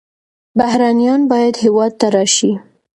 بهرنیان باید هېواد ته راشي.